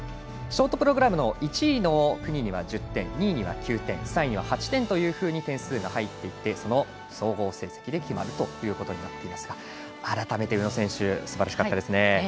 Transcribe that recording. ショートプログラムの１位の国に１０点、２位に９点３位には８点というふうに点数が入っていってその総合成績で決まることになっていますが改めて宇野選手すばらしかったですね。